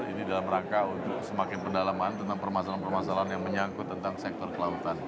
ini dalam rangka untuk semakin pendalaman tentang permasalahan permasalahan yang menyangkut tentang sektor kelautan